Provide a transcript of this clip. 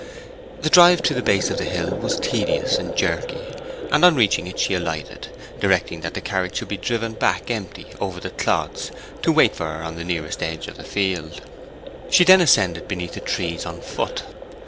The drive to the base of the hill was tedious and jerky, and on reaching it she alighted, directing that the carriage should be driven back empty over the clods, to wait for her on the nearest edge of the field. She then ascended beneath the trees on foot.